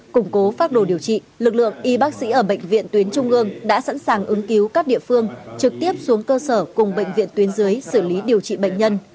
củng cố phát đồ điều trị lực lượng y bác sĩ ở bệnh viện tuyến trung ương đã sẵn sàng ứng cứu các địa phương trực tiếp xuống cơ sở cùng bệnh viện tuyến dưới xử lý điều trị bệnh nhân